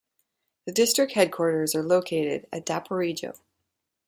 The district headquarters are located at Daporijo.